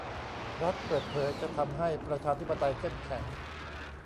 รัฐเปิดเผยจะทำให้ประชาธิปไตยเข้มแข็ง